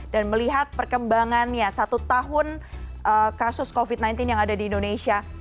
dan melihat perkembangannya satu tahun kasus covid sembilan belas yang ada di indonesia